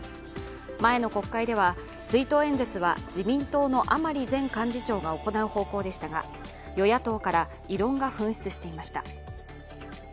前の国会では追悼演説は自民党の甘利前幹事長が行う方向でしたが与野党から異論が噴出していました。